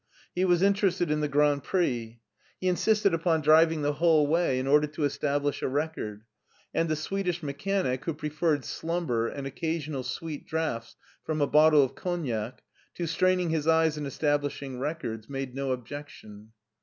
He was interested in the Grand Prix. He insisted upon driving the whole way in order to estab lish a record, and the Swedish mechanic, who pre ferred slumber and occasional sweet drafts from a bottle of cognac to straining his eyes and establishing records, made no objection.